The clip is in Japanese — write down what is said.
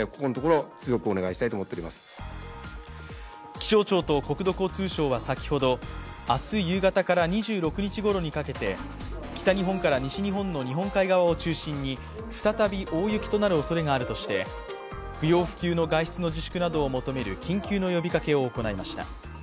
気象庁と国土交通省は先ほど、明日夕方から２６日ごろにかけて北日本から西日本の日本海側を中心に再び大雪となるおそれがあるとして不要不急の外出の自粛などを求める緊急の呼びかけを行いました。